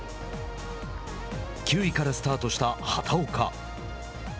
９位からスタートした畑岡。